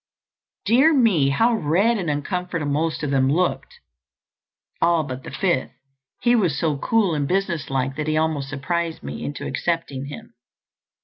Dear me, how red and uncomfortable most of them looked—all but the fifth. He was so cool and business like that he almost surprised me into accepting him."